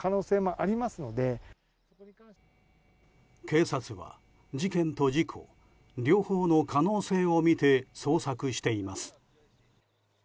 警察は、事件と事故両方の可能性をみて捜索しています。